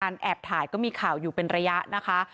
แอบถ่ายก็มีข่าวอยู่เป็นระยะนะคะ